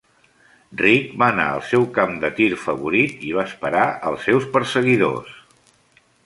Rick va anar al seu camp de tir favorit i va esperar els seus perseguidors.